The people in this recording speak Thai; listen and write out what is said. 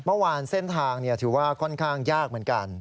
เมื่อวานเส้นทางถือว่าค่อนข้างยากเหมือนกัน